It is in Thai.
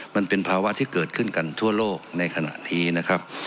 มันเป็นภาวะที่เกิดขึ้นกันทั่วโลกในขณะนี้นะครับ